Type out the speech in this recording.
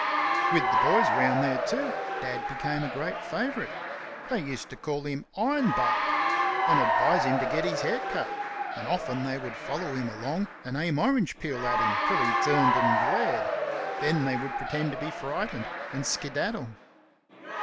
With the boys round there, too, Dad became a great favourite. They used to call him "Ironbark" and advise him to get his hair cut, and often they would follow him along and aim orange peel at him till he turned and glared. Then they would pretend to be frightened, and skedaddle.